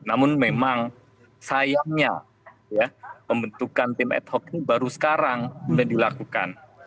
namun memang sayangnya pembentukan tim ad hoc ini baru sekarang dilakukan